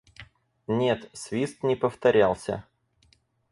Нет, свист не повторялся.